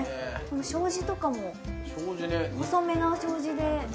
障子とかも細めな障子で。